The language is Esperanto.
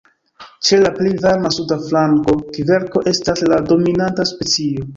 Ĉe la pli varma suda flanko kverko estas la dominanta specio.